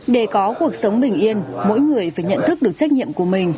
để có cuộc sống bình yên mỗi người phải nhận thức được trách nhiệm của mình